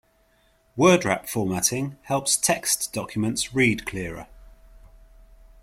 Word wrap formatting helps text documents read clearer.